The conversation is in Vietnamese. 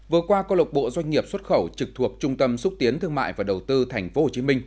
vừa qua công lộc bộ doanh nghiệp xuất khẩu trực thuộc trung tâm xúc tiến thương mại và đầu tư tp hcm